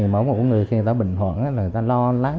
mỗi một người khi người ta bệnh hoạn là người ta lo lắng